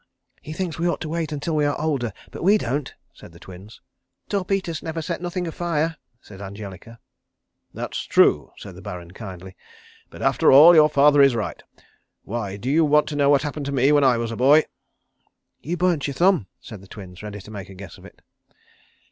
"He thinks we ought to wait until we are older, but we don't," said the Twins. "Torpeters never sets nothing afire," said Angelica. "That's true," said the Baron, kindly; "but after all your father is right. Why do you know what happened to me when I was a boy?" "You burnt your thumb," said the Twins, ready to make a guess at it.